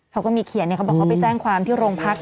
เขาก็มีเขียนเนี่ยเขาบอกว่าไปแจ้งความที่โรงพักษณ์